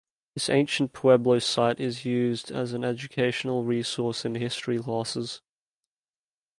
This ancient pueblo site is used as an educational resource in history classes.